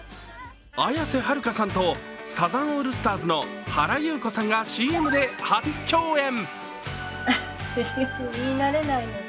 綾瀬はるかさんとサザンオールスターズの原由子さんがＣＭで初共演。